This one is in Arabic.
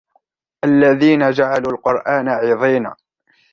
الَّذِينَ جَعَلُوا الْقُرْآنَ عِضِينَ